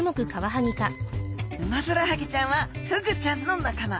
ウマヅラハギちゃんはフグちゃんのなかま。